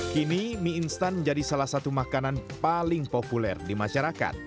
kini mie instan menjadi salah satu makanan paling populer di masyarakat